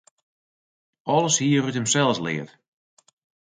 Alles hie er út himsels leard.